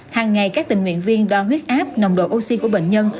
hàng ngày các tình nguyện viên đo huyết áp nồng độ oxy của bệnh nhân